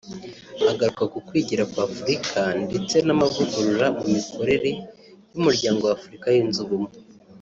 Agaruka ku kwigira kw’Afurika ndetse n’amavugurura mu mikorere y’umuryango w’Afurika yunze ubumwe